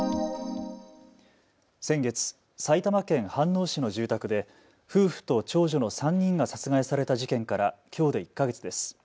先月・埼玉県飯能市の住宅で夫婦と長女の３人が殺害された事件からきょうで１か月です。